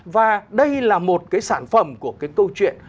và đây là một cái sản phẩm của cái câu chuyện